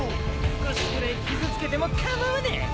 少しくらい傷つけても構わねえ！